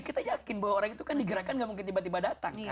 kita yakin bahwa orang itu kan digerakkan gak mungkin tiba tiba datang